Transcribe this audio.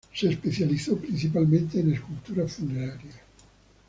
Se especializó principalmente en escultura funeraria.